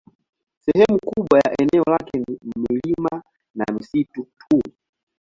Sehemu kubwa ya eneo lake ni milima na misitu tu.